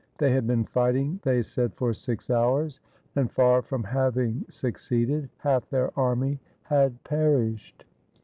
They had been fighting, they said, for six hours, and far from having succeeded, half their army had perished.